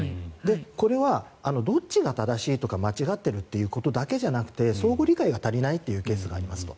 これはどっちが正しいとか間違えてるだけじゃなくて相互理解が足りないというケースがありますと。